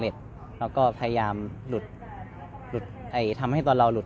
เวลาที่สุดตอนที่สุด